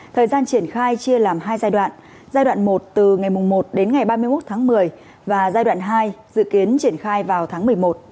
thời gian triển khai chia làm hai giai đoạn giai đoạn một từ ngày một đến ngày ba mươi một tháng một mươi và giai đoạn hai dự kiến triển khai vào tháng một mươi một